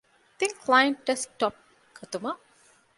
ތިން ކްލައިންޓް ޑެސްކްޓޮޕް ގަތުމަށް